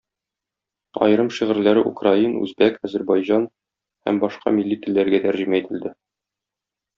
Аерым шигырьләре украин, үзбәк, азәрбайҗан һәм башка милли телләргә тәрҗемә ителде.